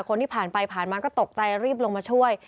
คนที่ผ่านไปผ่านมาก็ตกใจรีบลงมาช่วย